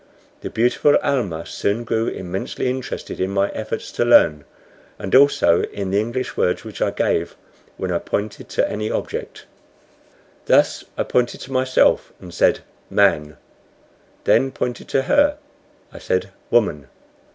The beautiful Almah soon grew immensely interested in my efforts to learn, and also in the English words which I gave when I pointed to any object. Thus I pointed to myself, and said "Man," then pointing to her, I said, "Woman."